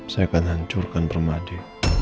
saya akan hancurkan pemadi